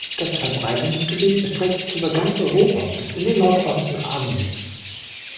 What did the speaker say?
Das Verbreitungsgebiet erstreckt sich über ganz Europa bis in den Nordosten Asiens.